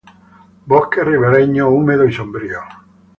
Bosques ribereños húmedos y sombríos.